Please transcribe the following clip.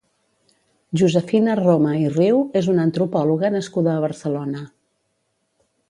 Josefina Roma i Riu és una antropòloga nascuda a Barcelona.